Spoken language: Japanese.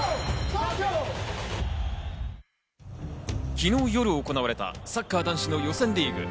昨日夜行われたサッカー男子の予選リーグ。